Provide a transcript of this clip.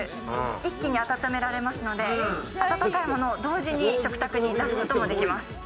一気に温められますので温かいものを同時に食卓に出すことができます。